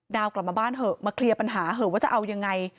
กลับมาบ้านเถอะมาเคลียร์ปัญหาเถอะว่าจะเอายังไง